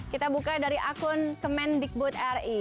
kita buka dari akun kemen bigboot ri